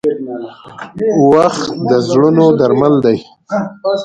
• وخت د زړونو درمل دی.